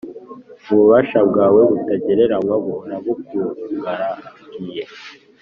Ububasha bwawe butagereranywa buhora bukugaragiye;